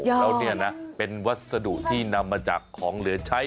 แล้วเนี่ยนะเป็นวัสดุที่นำมาจากของเหลือใช้